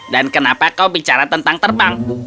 dan kenapa kau bicara tentang terbang